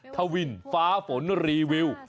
ทวินฟ้าฝนรีวิว